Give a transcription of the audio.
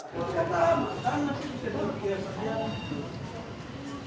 tidak ada makanan nasional yang kita kenal dengan beras